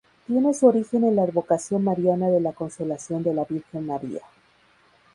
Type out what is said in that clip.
Tiene su origen en la advocación mariana de la Consolación de la Virgen María.